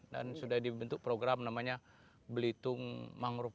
dan sudah dibentuk program namanya belitung masyarakat